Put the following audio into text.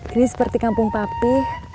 ini seperti kampung pakti